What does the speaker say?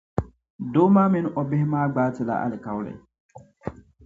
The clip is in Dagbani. doo maa mini o bihi maa gbaai ti la alikauli.